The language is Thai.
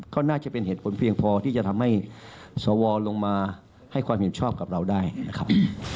ก็น่าจะเป็นเหตุผลเพียงพอที่จะทำให้สวลงมาให้ความเห็นชอบกับเราได้นะครับ